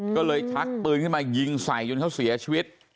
ก็เลยชักปืนขึ้นมายิงใส่จนเขาเสียชีวิต